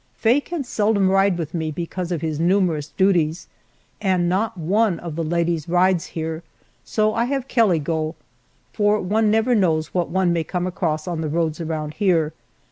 Faye can seldom ride with me because of his numerous duties, and not one of the ladies rides here, so I have Kelly go, for one never knows what one may come across on the roads around here.